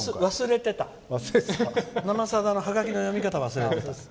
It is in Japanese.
もう「生さだ」のハガキの読み方忘れてた。